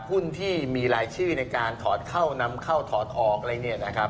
หุ้นที่มีรายชื่อในการถอดเข้านำเข้าถอดออกอะไรเนี่ยนะครับ